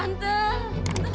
tante sakit lagi ya